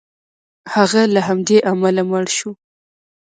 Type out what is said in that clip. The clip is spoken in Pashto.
هغه له همدې امله مړ شو.